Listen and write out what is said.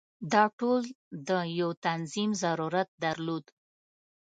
دا ټول د یو تنظیم ضرورت درلود.